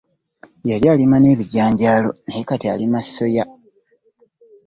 Yali alima ne ebijanjaalo naye kati alima ssoya.